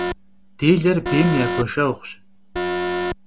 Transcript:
Dêler bêym ya gueşşeğuş.